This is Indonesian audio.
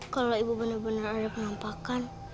kalau ibu benar benar ada penampakan